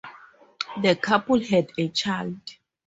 The couple had a child.